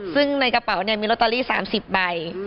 ซึ่งในกระเป๋าเนี่ยมีโรตาลี๓๐ใบ